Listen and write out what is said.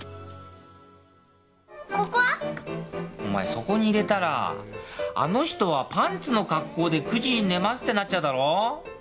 お前そこに入れたらあの人はパンツの格好で９時に寝ますってなっちゃうだろ。